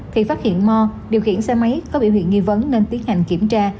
thì phát hiện mo điều khiển xe máy có biểu hiện nghi vấn nên tiến hành kiểm tra